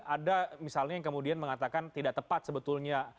ada misalnya yang kemudian mengatakan tidak tepat sebetulnya